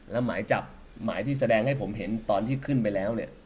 แล้วหมายจับหมายที่แสดงให้ผมเห็นตอนที่ขึ้นไปแล้วเนี่ย